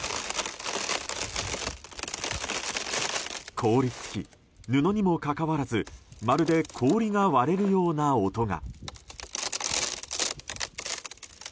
凍り付き、布にもかかわらずまるで氷が割れるような音が。